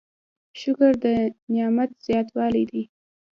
شکر د نعمت زیاتوالی دی؟